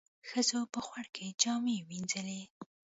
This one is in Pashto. ښځو په خوړ کې جامې وينځلې.